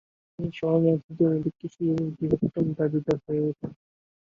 তিনি শরণার্থীদের মধ্যে কৃষিজমির বৃহত্তম দাবিদার হয়ে ওঠেন।